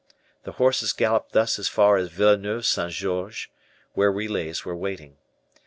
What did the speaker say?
The horses galloped thus as far as Villeneuve St. George's, where relays were waiting.